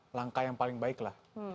itu udah langkah yang paling baik lah